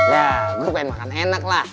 ya gue pengen makan enak lah